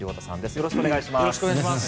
よろしくお願いします。